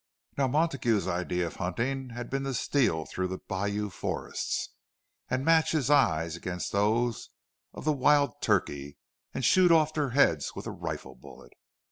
Now Montague's idea of hunting had been to steal through the bayou forests, and match his eyes against those of the wild turkey, and shoot off their heads with a rifle bullet.